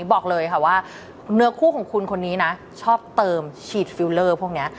บอกเลยค่ะว่าเนื้อคู่ของคุณคนนี้นะชอบเติมฉีดฟิลเลอร์พวกนี้